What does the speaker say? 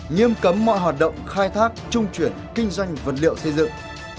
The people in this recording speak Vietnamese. nghiêm cấm mọi hoạt động khai thác trung chuyển kinh doanh vật liệu xây dựng